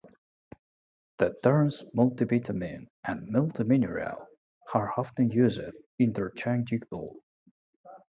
The terms multivitamin and multimineral are often used interchangeably.